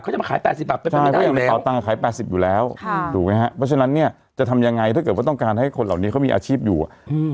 เขาจะมาขายแปดสิบบาทไปไม่ได้อยู่แล้วใช่เพราะฉะนั้นเนี่ยจะทำยังไงถ้าเกิดว่าต้องการให้คนเหล่านี้เขามีอาชีพอยู่อะ